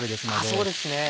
そうですね。